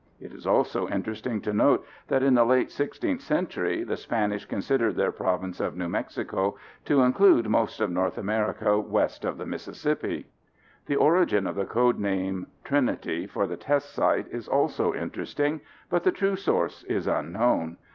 It is also interesting to note that in the late 16th century, the Spanish considered their province of New Mexico to include most of North America west of the Mississippi! The origin of the code name Trinity for the test site is also interesting, but the true source is unknown.